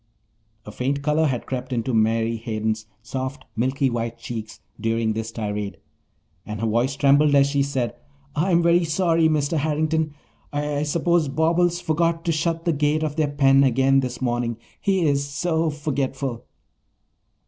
A faint colour had crept into Mary Hayden's soft, milky white cheeks during this tirade, and her voice trembled as she said, "I'm very sorry, Mr. Harrington. I suppose Bobbles forgot to shut the gate of their pen again this morning. He is so forgetful."